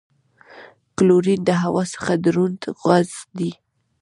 کلورین د هوا څخه دروند غاز دی.